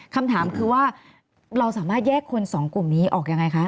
คำถามคือว่าเราสามารถแยกคนสองกลุ่มนี้ออกยังไงคะ